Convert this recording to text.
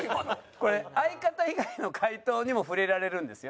これ相方以外の回答にも触れられるんですよ。